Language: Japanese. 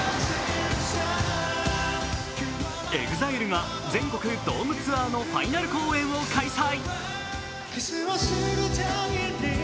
ＥＸＩＬＥが全国ドームツアーのファイナル公演を開催。